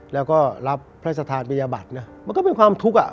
แล้วก็รับพระราชธานปริญญาบัตรนะมันก็เป็นความทุกข์อ่ะ